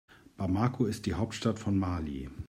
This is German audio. Bamako ist die Hauptstadt von Mali.